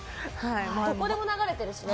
どこでも流れてるしね。